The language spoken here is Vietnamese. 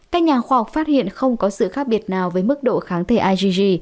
các nhà khoa học phát hiện không có sự khác biệt nào với mức độ kháng thể igg